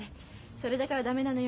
それだから駄目なのよ